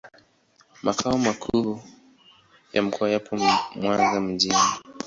Makao makuu ya mkoa yapo Mwanza mjini.